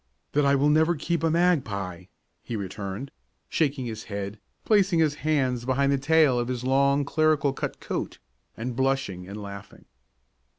"That I will never keep a magpie," he returned, shaking his head, placing his hands behind the tail of his long clerical cut coat, and blushing and laughing.